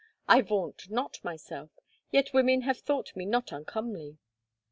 I vaunt not myself, yet women have thought me not uncomely.